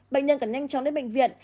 bệnh nhân cần nhanh chóng đến bệnh viện